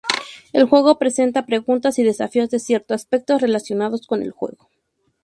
El juego presenta preguntas y desafíos de ciertos aspectos relacionados con el juego.